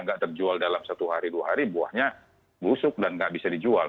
nggak terjual dalam satu hari dua hari buahnya busuk dan nggak bisa dijual